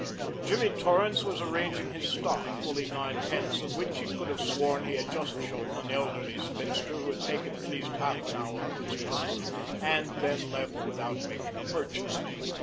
Jimmy Torrance was arranging his stock, fully nine tenths of which he could have sworn he had just shown an elderly spinster who had taken at least half an hour of his time and then left without making a purchase.